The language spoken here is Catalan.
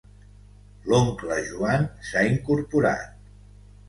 L'oncle Joan s'ha incorporat.